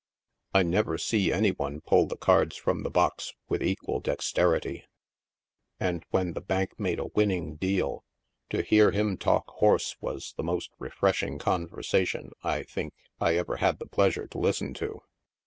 1 never see any one pull the cards from the box with equal dexter ity, and when the bank made a winning deal, to hear him talk horse was the most refreshing conversation, I think, I ever had the plea sure to listen to.